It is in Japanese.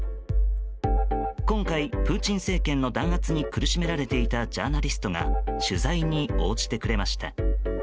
今回、プーチン政権の弾圧に苦しめられていたジャーナリストが取材に応じてくれました。